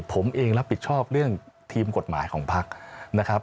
ผมเองรับผิดชอบเรื่องทีมกฎหมายของภักดิ์นะครับ